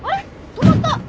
止まった！